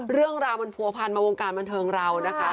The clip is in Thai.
เรื่องราวมันผัวพันมาวงการบันเทิงเรานะคะ